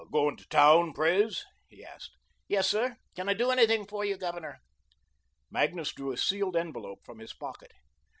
"Going to town, Pres?" he asked. "Yes, sir. Can I do anything for you, Governor?" Magnus drew a sealed envelope from his pocket.